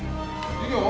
授業？